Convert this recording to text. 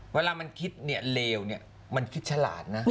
เวลามันคิดเนี่ยเลวเนี่ยมันคิดฉลาดนะ